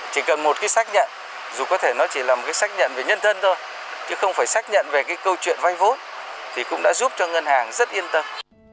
chỉ cần một cái xác nhận dù có thể nó chỉ là một cái xác nhận về nhân thân thôi chứ không phải xác nhận về cái câu chuyện vay vốn thì cũng đã giúp cho ngân hàng rất yên tâm